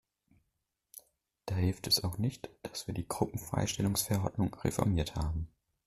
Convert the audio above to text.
Da hilft es auch nicht, dass wir die Gruppenfreistellungsverordnung reformiert haben.